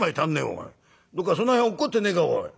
どっかその辺落っこってねえかおい。